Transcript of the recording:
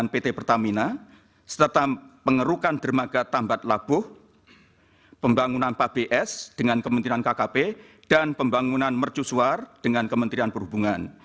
pertambuh pembangunan papes dengan kementerian kkp dan pembangunan mercusuar dengan kementerian perhubungan